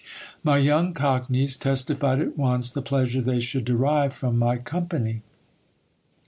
My young cockneys testified at once the pleasure they should derive from my company.